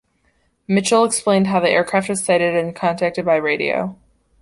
Mitchell explained how the aircraft was sighted and contacted by radio.